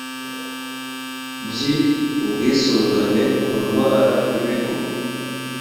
byi ubwisungane ku ndwara n ibigo